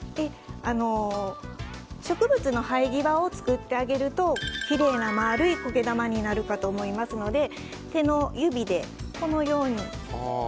植物の生え際を作ってあげるときれいな丸い苔玉になるかと思いますので手の指で、このように。